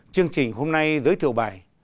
chương trình hôm nay giới thiệu bài